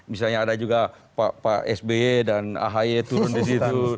misalnya ada juga pak sby dan ahy turun di situ